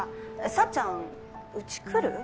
幸ちゃんうち来る？